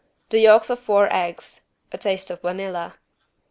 The yolks of four eggs. A taste of vanilla.